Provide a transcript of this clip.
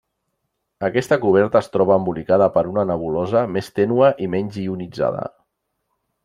Aquesta coberta es troba embolicada per una nebulosa més tènue i menys ionitzada.